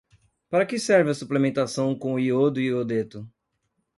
Para que serve a suplementação com iodo e iodeto?